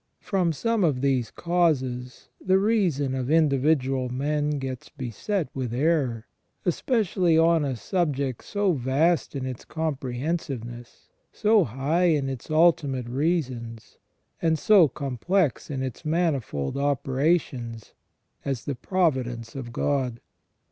From some of these causes the reason of individual men gets beset with error, especially on a subject so vast in its comprehensiveness, so high in its ultimate reasons, and so complex in its manifold operations as the providence of God.